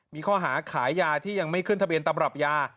มีข้อหาขายยาที่ยังไม่ขึ้นทะเบียนตำรับยา